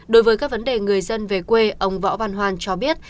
đối với các vấn đề người dân về quê ông võ văn hoan cho biết